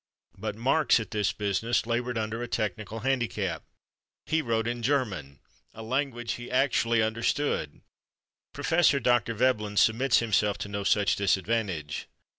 But Marx, at this business, labored under a technical handicap: he wrote in German, a language he actually understood. Prof. Dr. Veblen submits himself to no such disadvantage.